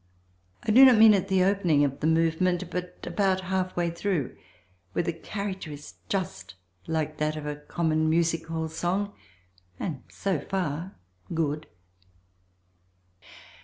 I do not mean at the opening of the movement but about half way through, where the character is just that of a common music hall song and, so far, good.